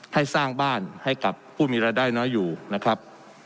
ให้สร้างบ้านให้กับผู้มีรายได้น้อยอยู่นะครับ